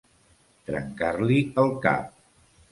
Trencar-li el cap.